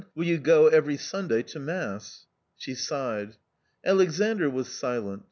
Will you go every Sunday to Mass ?" She sighed. Alexandr was silent.